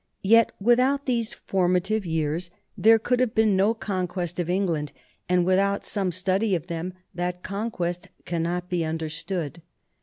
Yet without these formative years there could NORMANDY AND ENGLAND 59 have been no conquest of England, and without some study of them that conquest cannot be understood.